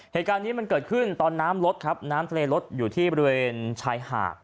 เหตุการณ์นี้มันเกิดขึ้นตอนน้ำลดครับน้ำทะเลลดอยู่ที่บริเวณชายหาด